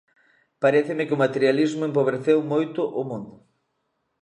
Paréceme que o materialismo empobreceu moito o mundo.